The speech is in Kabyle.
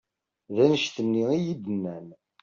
D annect-nni i yi-d-nnan.